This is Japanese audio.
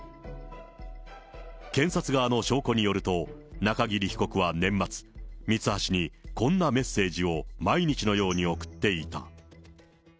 検察側の証拠によると、中桐被告は年末、ミツハシに、こんなメッセージを毎日のように送っていた。